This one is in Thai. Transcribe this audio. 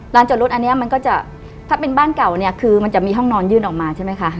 จอดรถอันนี้มันก็จะถ้าเป็นบ้านเก่าเนี่ยคือมันจะมีห้องนอนยื่นออกมาใช่ไหมคะ